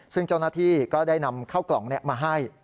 ซึ่งเจ้าหน้าที่ก็ได้นำเข้ากล่องมาให้